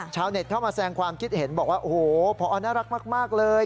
ชาวเน็ตเข้ามาแสงความคิดเห็นบอกว่าโอ้โหพอน่ารักมากเลย